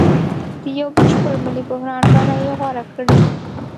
د یوه بشپړ ملي بحران بڼه یې غوره کړې.